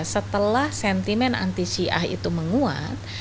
setelah sentimen anti syiah itu menguat